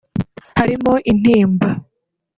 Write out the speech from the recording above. harimo intimba